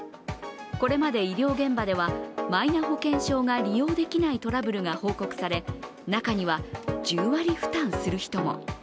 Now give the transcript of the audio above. これまで医療現場ではマイナ保険証が利用できないトラブルが報告され中には１０割負担する人も。